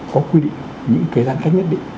có quy định những cái giãn cách nhất định